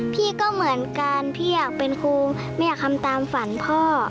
พี่ก็เหมือนกันพี่อยากเป็นครูแม่อยากทำตามฝันพ่อ